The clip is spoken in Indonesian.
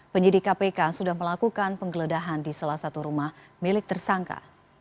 penyidik kpk sudah melakukan penggeledahan di salah satu rumah milik tersangka